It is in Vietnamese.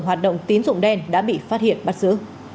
hoạt động tín dụng đen đã bị phát hiện bắt giữ